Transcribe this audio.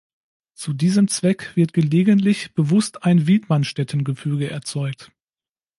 Zu diesem Zweck wird gelegentlich bewusst ein Widmanstätten-Gefüge erzeugt.